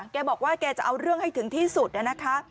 แกบอกว่าแกจะเอาเรื่องให้ถึงที่สุดนะคะ